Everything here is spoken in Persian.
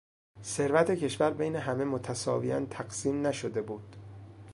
ثروت کشور بین همه متساویا تقسیم نشده بود.